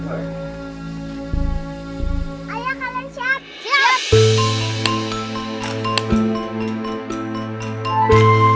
ayah kalian siap